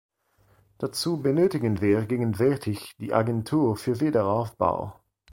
Dazu benötigen wir gegenwärtig die Agentur für Wiederaufbau.